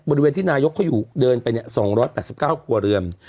บริเวณที่นายกเขาอยู่เดินไปเนี้ยสองร้อยแปดสิบเก้าครัวเรือน